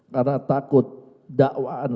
karena takut dakwaan